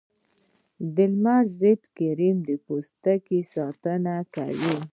د لمر ضد کریم د پوستکي ساتنه کوي